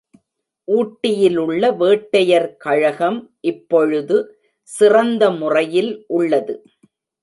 ஊட்டியிலுள்ள வேட்டையர் கழகம் இப்பொழுது சிறந்த முறையில் உள்ளது.